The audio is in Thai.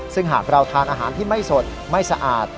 ซึ่งหากเราทานอาหารที่ไม่สดไม่สะอาด